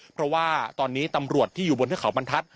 เพราะว่าตอนนี้ตำรวจที่อยู่บนเทือกเขาบรรทัศน